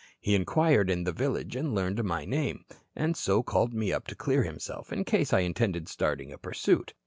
He inquired in the village and learned my name, and so called me up to clear himself in case I intended starting a pursuit.